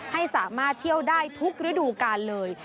ให้สามารถเที่ยวได้ทุกฤดูกาลเลย